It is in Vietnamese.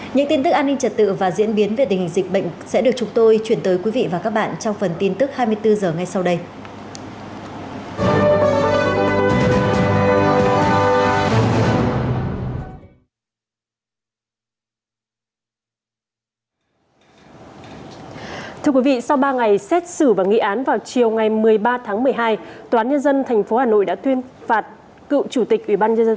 những tin tức an ninh trật tự và diễn biến về tình hình dịch bệnh sẽ được chúng tôi chuyển tới quý vị và các bạn trong phần tin tức hai mươi bốn h ngay sau đây